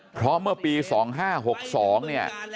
เพราะเมื่อปี๒๕๖๒เนี่ย